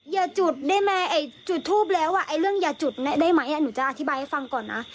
อย่าจุดได้ไหมจุดทูปแล้วเรื่องอย่าจุดได้ไหมหนูจะอธิบายให้ฟังก่อนนะ